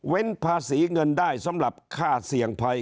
ภาษีเงินได้สำหรับค่าเสี่ยงภัย